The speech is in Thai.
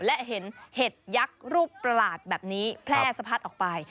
และเห็นเห็ดยักษ์รูปประหลาดแบบนี้แพร่สะพัดออกไป